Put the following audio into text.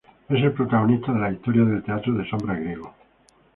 Es el protagonista de las historias del teatro de sombras griego.